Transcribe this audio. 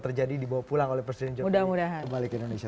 terjadi dibawa pulang oleh presiden jokowi kembali ke indonesia